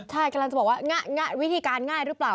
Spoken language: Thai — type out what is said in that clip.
ใช่กำลังจะบอกว่าวิธีการง่ายหรือเปล่า